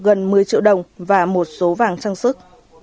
gần một mươi triệu đồng và một số vàng trang sức